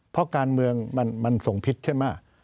เพราะการเมืองมันส่งพิษใช่ไหม